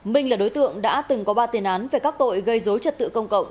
minh là đối tượng đã từng có ba tiền án về các tội gây dối trật tự công cộng